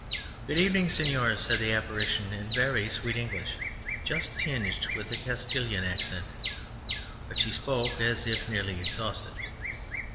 "Good evening, señors," said the apparition, in very sweet English, just tinged with the Castilian accent, but she spoke as if nearly exhausted.